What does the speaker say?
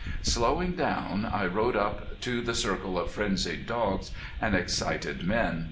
Slowing down I rode up to the circle of frenzied dogs and excited men.